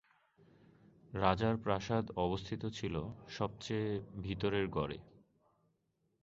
রাজার প্রাসাদ অবস্থিত ছিল সবচেয়ে ভিতরের গড়ে।